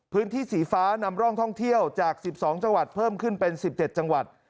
พื้นที่สีฟ้านำร่องท่องเที่ยวจาก๑๒จังหวัดเพิ่มขึ้นเป็น๑๗จังหวัด